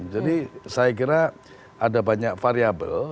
jadi saya kira ada banyak variable